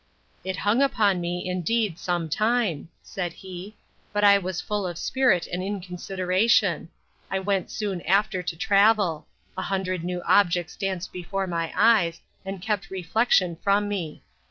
It hung upon me, indeed, some time, said he; but I was full of spirit and inconsideration. I went soon after to travel; a hundred new objects danced before my eyes, and kept reflection from me.